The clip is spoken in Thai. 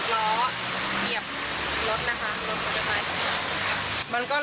ใช่ค่ะแบงก์มอร์ไซมอร์ไซมก็ล้มห่อล้อมพุกก็สิดล้อ